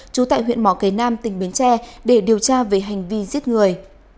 trú tại huyện mỏ cầy nam tỉnh bến tre để điều tra về hành vi giết người